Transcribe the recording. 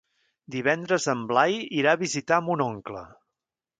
Divendres en Blai irà a visitar mon oncle.